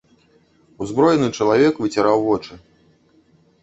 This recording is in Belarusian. Узброены чалавек выціраў вочы.